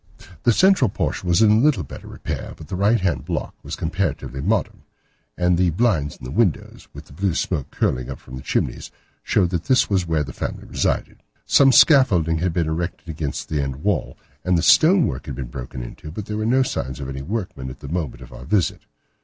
The central portion was in little better repair, but the right hand block was comparatively modern, and the blinds in the windows, with the blue smoke curling up from the chimneys, showed that this was where the family resided. Some scaffolding had been erected against the end wall, and the stone work had been broken into, but there were no signs of any workmen at the moment of our visit.